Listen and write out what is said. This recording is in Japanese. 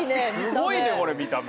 すごいねこれ見た目。